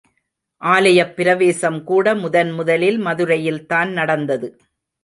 ஆலயப் பிரவேசம் கூட முதன் முதலில் மதுரையில்தான் நடந்தது.!